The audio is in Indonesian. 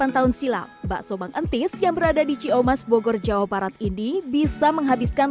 dua puluh delapan tahun silam bakso mengantis yang berada di ciumas bogor jawa parat ini bisa menghabiskan